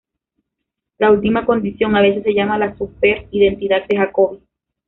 La última condición a veces se llama la super identidad de Jacobi.